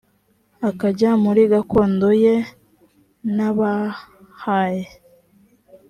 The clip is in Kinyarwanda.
akajya muri gakondo ye nabahaye